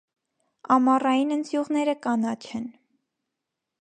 Ամառային ընձյուղները կանաչ են։